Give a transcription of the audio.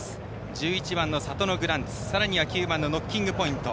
１１番、サトノグランツさらには９番のノッキングポイント。